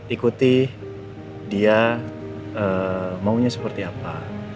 ikuti dia maunya seperti apa